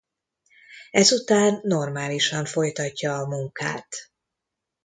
Ezután normálisan folytatja a munkát.